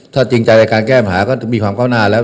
ถ้าจริงใจในการแก้ปัญหาก็มีความก้าวหน้าแล้ว